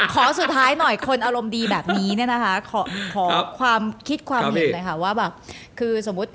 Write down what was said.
ขอสุดท้ายหน่อยคนอารมณ์ดีแบบนี้ขอความคิดความเห็น